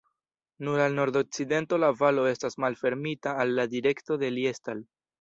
Nur al nordokcidento la valo estas malfermita al la direkto de Liestal.